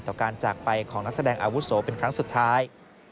ต่อการจากไปของนักแสดงอาวุโสเป็นครั้งสุดท้าย